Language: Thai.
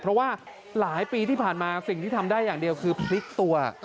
เพราะว่าหลายปีที่ผ่านมาสิ่งที่ทำได้อย่างเดียวคือพลิกตัว